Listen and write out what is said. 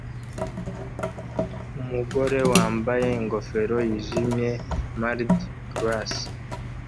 Umugore wambaye ingofero yijimye Mardi Gras